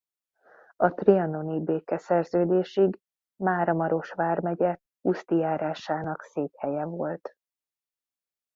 A trianoni békeszerződésig Máramaros vármegye Huszti járásának székhelye volt.